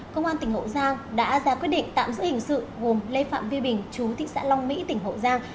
công an tỉnh hậu giang đã ra quyết định tạm giữ hình sự gồm lê phạm vi bình chú thị xã long mỹ tỉnh hậu giang